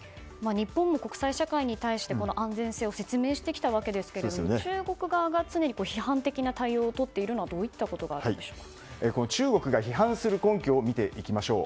日本も国際社会に対して安全性を説明してきたわけですが中国側が常に批判的な対応をとっているのは中国が批判する根拠を見ていきましょう。